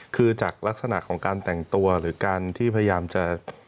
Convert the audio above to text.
คือจากลักษณะของการแต่งตัวหรือการที่พยายามจะ